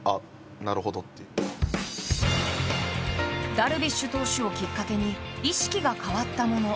ダルビッシュ投手をきっかけに意識が変わったもの。